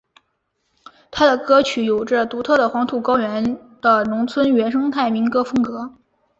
他的歌曲有着独特的黄土高原的农村原生态民歌风格。